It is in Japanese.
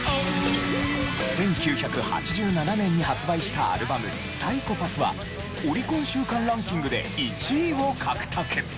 １９８７年に発売したアルバム『ＰＳＹＣＨＯＰＡＴＨ』はオリコン週間ランキングで１位を獲得。